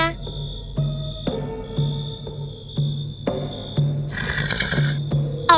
kau sudah selesai menangkap ratu